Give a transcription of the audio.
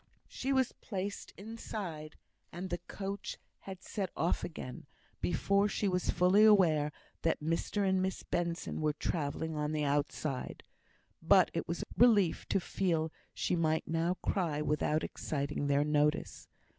She was placed inside, and the coach had set off again, before she was fully aware that Mr and Miss Benson were travelling on the outside; but it was a relief to feel she might now cry without exciting their notice.